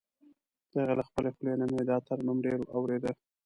د هغه له خپلې خولې نه مې دا ترنم ډېر اورېده.